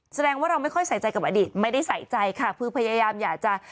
แสดงว่าเราไม่ค่อยใส่ใจกับอดีตไม่ได้ใส่ใจค่ะคือพยายามอยากจะ